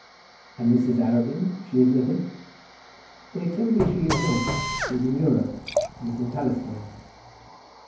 "And Mrs. Arabin; she is with him?" "They tell me she is not. She is in Europe. He is in Palestine."